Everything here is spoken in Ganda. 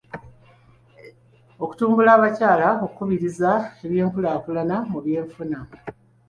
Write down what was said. Okutumbula abakyala kukubiriza eby'enkulaakulana mu by'enfuna.